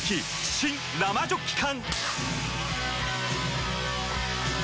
新・生ジョッキ缶！